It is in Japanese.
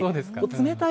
冷たい！